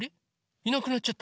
いなくなっちゃった。